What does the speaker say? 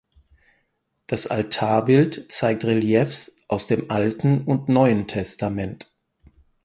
Das Altarbild zeigt Reliefs aus dem Alten und Neuen Testament.